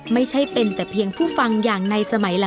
ไม่ใช่เป็นแต่เพียงผู้ฟังอย่างในสมัย